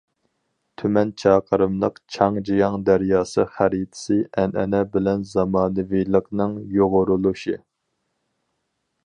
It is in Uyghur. تۈمەن چاقىرىملىق چاڭجياڭ دەرياسى خەرىتىسى ئەنئەنە بىلەن زامانىۋىلىقنىڭ يۇغۇرۇلۇشى.